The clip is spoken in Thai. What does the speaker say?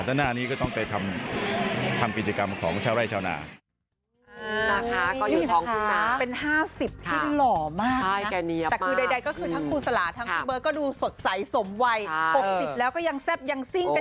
หน้านี้ก็ต้องไปทำกิจกรรมของชาวไร่ชาวนา